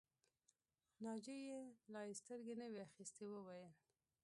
ناجيې چې لا يې سترګې نه وې اخيستې وویل